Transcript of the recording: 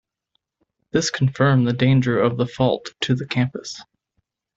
This confirmed the danger of the fault to the campus.